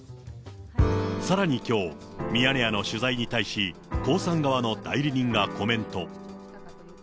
さらにきょう、ミヤネ屋の取材に対し、江さん側の代理人がコメント。